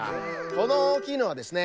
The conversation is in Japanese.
このおおきいのはですね